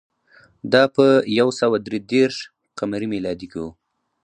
دا په یو سوه درې دېرش ق م کې و